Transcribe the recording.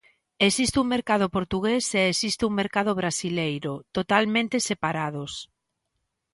Existe un mercado portugués e existe un mercado brasileiro, totalmente separados.